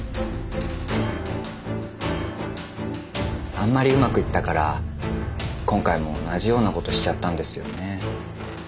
あんまりうまくいったから今回も同じようなことしちゃったんですよね。